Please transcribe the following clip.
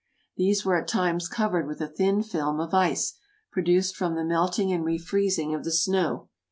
These were at times covered with a thin film of ice, produced from the melting and refreezing of the snow.